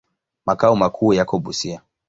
Makao makuu yako Busia.